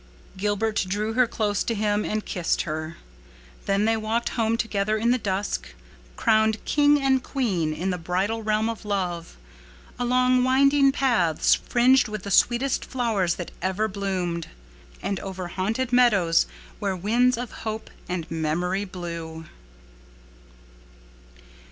Gilbert drew her close to him and kissed her. Then they walked home together in the dusk, crowned king and queen in the bridal realm of love, along winding paths fringed with the sweetest flowers that ever bloomed, and over haunted meadows where winds of hope and memory blew.